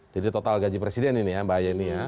jadi total gaji presiden ini ya mbak yeni ya